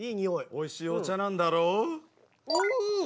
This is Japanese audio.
おいしいお茶なんだろう？